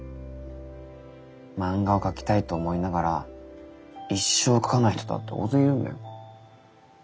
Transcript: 漫画を描きたいと思いながら一生描かない人だって大勢いるんだよ。